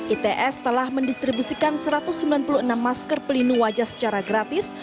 its telah mendistribusikan satu ratus sembilan puluh enam masker pelindung wajah secara gratis